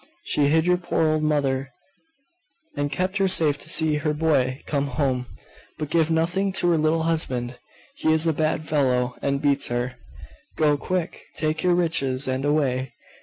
She hid your poor old mother, and kept her safe to see her boy come home. But give nothing to her little husband: he is a bad fellow, and beats her. Go, quick! take your riches, and away!....